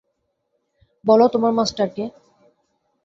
বলো তোমার মাস্টার কে?